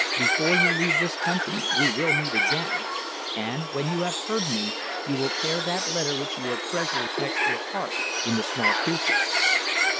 Before you leave this country we will meet again, and, when you have heard me, you will tear that letter which you are treasuring next your heart into small pieces."